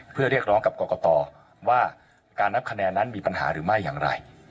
เพื่อเรียกร้องกับกรกตว่าการนับคะแนนนั้นมีปัญหาหรือไม่อย่างไร